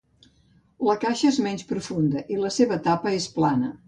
La caixa és menys profunda i la seva tapa és plana.